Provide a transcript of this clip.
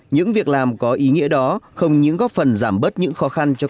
những việc làm có ý nghĩa đó không những góp phần giảm bớt những khó khăn